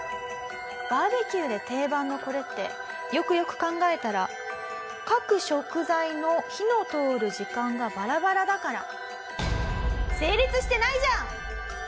「バーベキューで定番のこれってよくよく考えたら各食材の火の通る時間がバラバラだから成立してないじゃん！」。